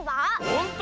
ほんと？